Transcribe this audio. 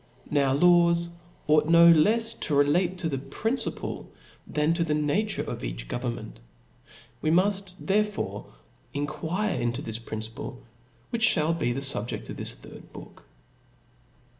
Now laws ought to be no lefs relative to the principle than to the nature of each government. Wc muft therefore enquire into this principle, which Ihall be xhe fubjeft of this third book.